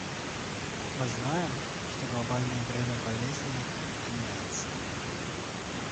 Мы знаем, что глобальное бремя болезней меняется.